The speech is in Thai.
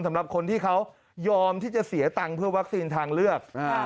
สำหรับคนที่เขายอมที่จะเสียตังค์เพื่อวัคซีนทางเลือก